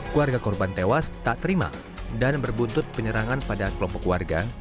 keluarga korban tewas tak terima dan berbuntut penyerangan pada kelompok warga